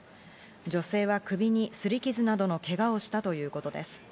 女性は首にすり傷などのけがをしたということです。